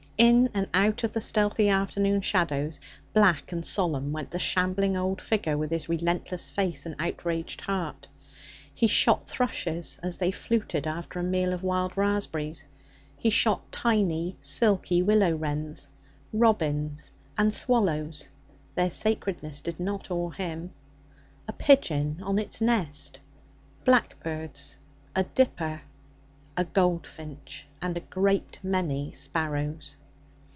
In and out of the stealthy afternoon shadows, black and solemn, went the shambling old figure with his relentless face and outraged heart. He shot thrushes as they fluted after a meal of wild raspberries; he shot tiny silky willow wrens, robins, and swallows their sacredness did not awe him a pigeon on its nest, blackbirds, a dipper, a goldfinch, and a great many sparrows.